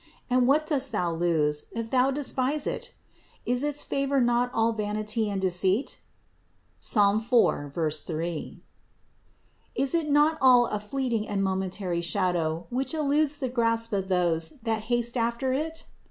And what dost thou lose, if thou despise it? Is its favor not all vanity and deceit (Ps. 4, 3) ? Is it not all a fleeting and momentary shadow, which eludes the grasp of those that haste after it?